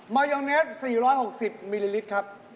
มายองเนส๔๖๐มิลลิลิตรครับ